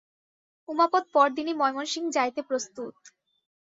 উমাপদ পরদিনই ময়মনসিংহ যাইতে প্রস্তুত।